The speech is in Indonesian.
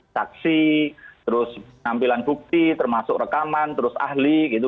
taksi terus tampilan bukti termasuk rekaman terus ahli gitu